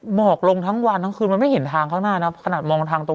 หมอกลงทั้งวันทั้งคืนมันไม่เห็นทางข้างหน้านะ